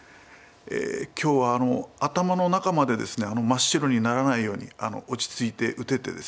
今日は頭の中までですね真っ白にならないように落ち着いて打ててですね